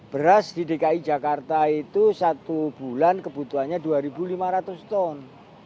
beras di dki jakarta itu satu bulan kebutuhannya dua lima ratus ton